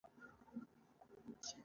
دا طریقه انګریزانو هم خوښه کړې وه.